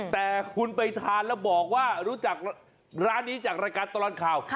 แต่คุณไปทานแล้วบอกว่ารู้จักร้านนี้จากรายการตลอดข่าว